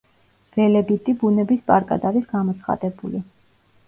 ველებიტი ბუნების პარკად არის გამოცხადებული.